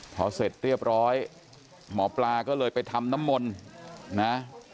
พอเสร็จเรียบร้อยหมอปลาก็เลยไปทำน้ำมนต์นะ